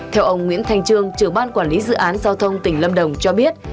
theo ông nguyễn thanh trương trưởng ban quản lý dự án giao thông tỉnh lâm đồng cho biết